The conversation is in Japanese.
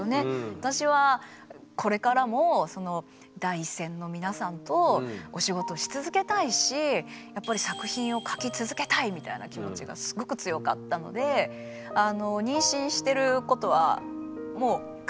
私はこれからもその第一線の皆さんとお仕事し続けたいしやっぱり作品を書き続けたいみたいな気持ちがすごく強かったのでそうです。